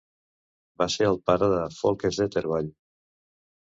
Va ser el pare de Folke Zettervall.